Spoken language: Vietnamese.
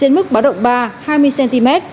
trên mức báo động ba hai mươi cm